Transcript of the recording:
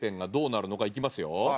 いきますよ。